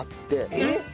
えっ！？